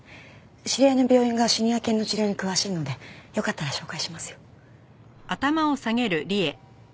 知り合いの病院がシニア犬の治療に詳しいのでよかったら紹介しますよ。